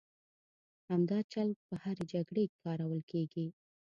همدا چل په هرې جګړې کې کارول کېږي.